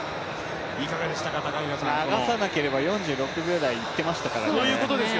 流さなければ４６秒台いってましたからね。